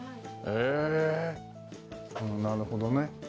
えなるほどね。